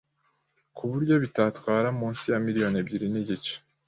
ku buryo bitatwara munsi ya Miliyoni ebyiri n’igice